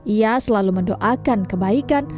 ia selalu mendoakan kebaikan